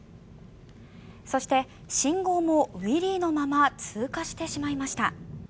そして、信号もウィリーのまま通過してしまいました。